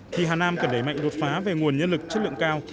thì hà nam cần đẩy mạnh đột phá về nguồn nhân lực chất lượng cao